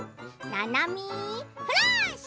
「ななみフラッシュ」。